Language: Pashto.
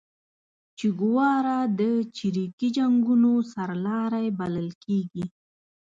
چیګوارا د چریکي جنګونو سرلاری بللل کیږي